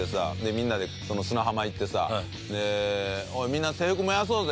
みんなで砂浜行ってさ「おいみんな制服燃やそうぜ！」